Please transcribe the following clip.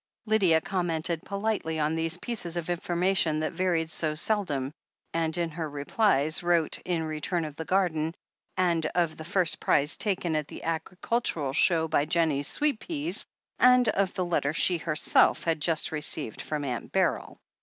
Lydia commented politely on these pieces of infor mation, that varied so seldom, and in her replies wrote THE HEEL OF ACHILLES 371 in return of the garden, and of the First Prize taken at the Agricultural Show by Jennie's sweet peas, and of the letter she herself had just received from Aunt Beryl.